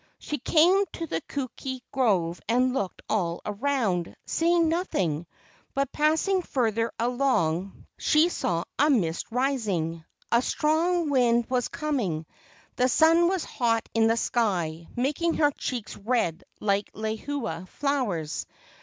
She came to the kukui grove and looked all around, seeing nothing, but passing further along KE AU NINI 167 she saw a mist rising. A strong wind was com¬ ing. The sun was hot in the sky, making her cheeks red like lehua flowers.